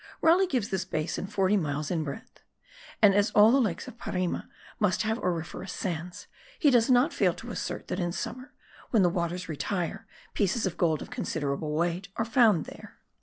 Raleigh gives this basin forty miles in breadth; and, as all the lakes of Parima must have auriferous sands, he does not fail to assert that in summer, when the waters retire, pieces of gold of considerable weight are found there.